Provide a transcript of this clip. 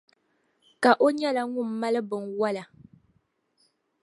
Ka o nyɛla ŋun mali binwola.